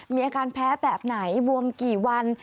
มีอาการแพ้แบบไหนบวมกี่วัน